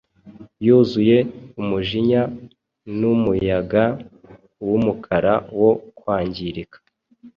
yuzuye umujinya Numuyaga wumukara wo kwangirika.